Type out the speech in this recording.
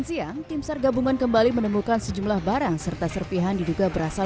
sehingga timsar gabungan kembali menemukan sejumlah barang serta serpihan diduga berasal